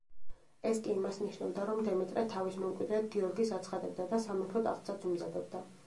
ეს კი იმას ნიშნავდა, რომ დემეტრე თავის მემკვიდრედ გიორგის აცხადებდა და სამეფო ტახტსაც უმზადებდა.